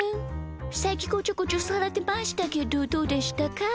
さっきこちょこちょされてましたけどどうでしたか？